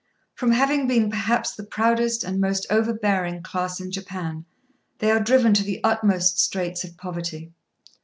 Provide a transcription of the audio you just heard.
From having been perhaps the proudest and most overbearing class in Japan, they are driven to the utmost straits of poverty.